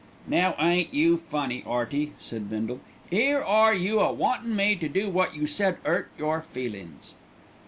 "Now ain't you funny, 'Earty," said Bindle. "'Ere are you a wantin' me to do wot you said 'urt your feelin's."